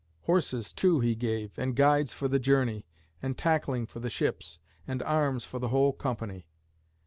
Horses, too, he gave, and guides for the journey, and tackling for the ships, and arms for the whole company.